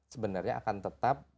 sebenarnya akan tetap